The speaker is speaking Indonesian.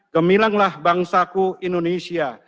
gemilanglah bangsaku indonesia